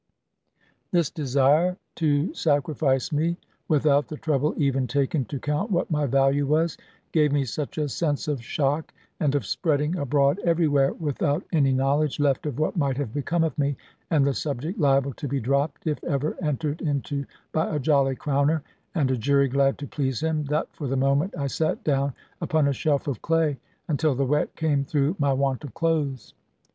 This desire to sacrifice me (without the trouble even taken to count what my value was) gave me such a sense of shock, and of spreading abroad everywhere, without any knowledge left of what might have become of me, and the subject liable to be dropped, if ever entered into by a Jolly Crowner, and a jury glad to please him, that for the moment I sate down upon a shelf of clay, until the wet came through my want of clothes.